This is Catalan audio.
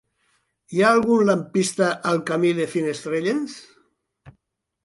Hi ha algun lampista al camí de Finestrelles?